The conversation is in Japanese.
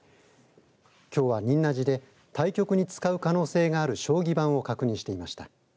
きょうは仁和寺で対局に使う可能性がある将棋盤を確認していました。